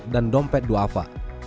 dan dompet duafa